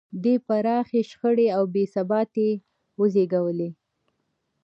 دې پراخې شخړې او بې ثباتۍ وزېږولې.